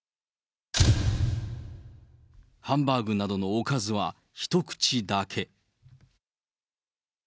ハンバーグなどのおかずは一口だけ。